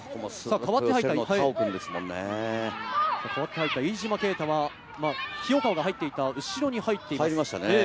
代わって入った飯島啓太は清川が入っていた後ろに入っています。